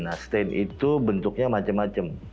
nah stain itu bentuknya macem macem